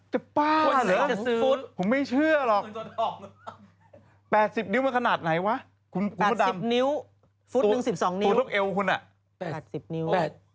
ตัวป้าเหรอผมไม่เชื่อหรอกปัดสิบนิ้วมันขนาดไหนวะคุณพระดำตุ๊กเอวคุณอะปัดสิบนิ้ว